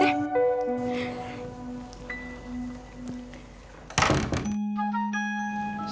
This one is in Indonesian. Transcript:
kayak gitu ya